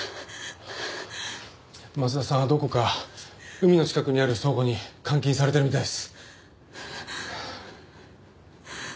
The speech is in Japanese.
松田さんはどこか海の近くにある倉庫に監禁されてるみたいです。